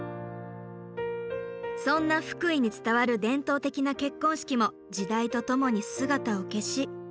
そんな福井に伝わる伝統的な結婚式も時代とともに姿を消し。